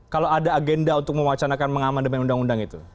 kalau ada agenda untuk mewacanakan mengamandemen undang undang itu